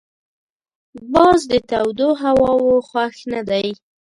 باز د تودو هواوو خوښ نه دی